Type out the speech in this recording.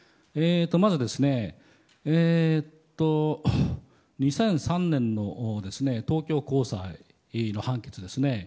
まず、２００３年の東京高裁の判決ですね。